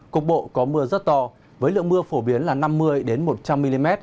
cục bộ có mưa rất to với lượng mưa phổ biến là năm mươi một trăm linh mm